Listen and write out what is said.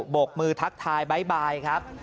บกมือทักทายบ๊ายบายครับ